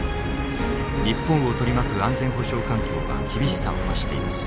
日本を取り巻く安全保障環境は厳しさを増しています。